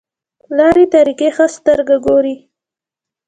لارې طریقې ښه سترګه ګوري.